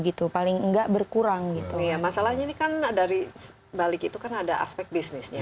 gitu paling enggak berkurang gitu ya masalahnya ini kan dari balik itu kan ada aspek bisnisnya